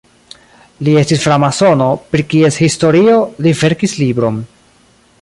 Li estis framasono, pri kies historio li verkis libron.